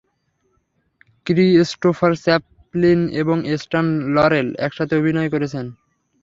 Christopher Chaplin এবং Stan Laurel একসাথে অভিনয় করেছেন।